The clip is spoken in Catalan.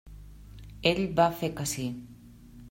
Ell va fer que sí.